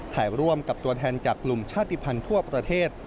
ถ่ายร่วมกับตัวแทนจากกลุ่มชาติภัณฑ์ทั่วประเทศ